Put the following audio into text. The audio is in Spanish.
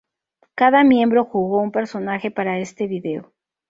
Cada miembro jugó un personaje para este video.